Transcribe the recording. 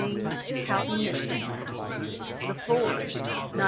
Houghton Mifflin. The Ford, 1917.